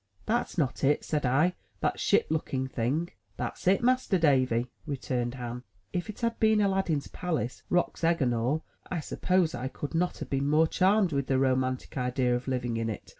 "That's not it?'' said I, "that ship looking thing?'* "That's it. Master Davy," returned Ham. If it had been Aladdin's Palace, roc's egg and all, I suppose I could not have been more charmed with the romantic idea of living in it.